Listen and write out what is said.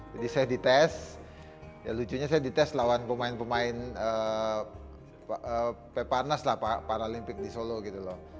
jadi saya di tes ya lucunya saya di tes lawan pemain pemain peparnas lah paralympic di solo gitu loh